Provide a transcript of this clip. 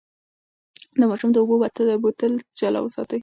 د ماشوم د اوبو بوتل جلا وساتئ.